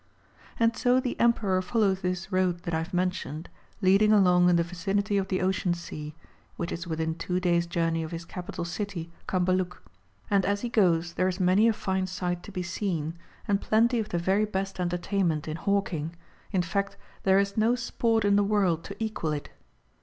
And so the Emperor follows this road that [ have mentioned, leading along in the vicinity of the Ocean Sea (which is within two days' journey of his capital city, Cambaluc), and as he goes there is many a fine sight to be seen, and plenty of the very best entertainment in VOL. i, 2 c 2 404 MARCO rOLO Book II. hawking ; in fact, there is no sport in the world to equal it